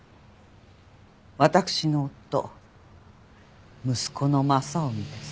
私の夫息子の雅臣です。